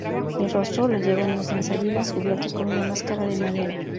El rostro, lo llevan los danzarines cubierto con una máscara de madera.